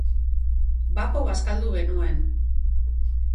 Bapo bazkaldu genuen.